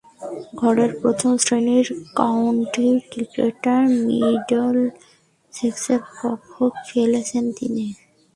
ঘরোয়া প্রথম-শ্রেণীর কাউন্টি ক্রিকেটে মিডলসেক্সের পক্ষে খেলেছেন তিনি।